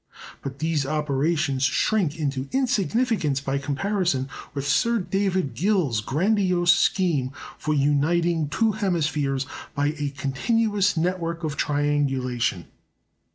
But these operations shrink into insignificance by comparison with Sir David Gill's grandiose scheme for uniting two hemispheres by a continuous network of triangulation.